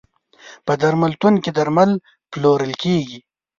په درملتون کې درمل پلورل کیږی.